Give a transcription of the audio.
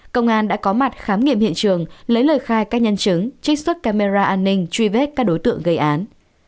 công an đã có mặt khám nghiệm hiện trường lấy lời khai các nhân chứng trích xuất camera an ninh truy vết các đối tượng gây án